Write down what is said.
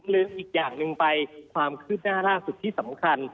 ลืมอีกอย่างหนึ่งไปความคืบหน้าล่าสุดที่สำคัญ